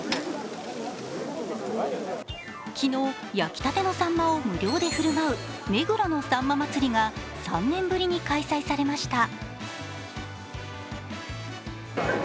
昨日、焼きたてのさんまを無料で振る舞う目黒のさんま祭りが３年ぶりに開催されました。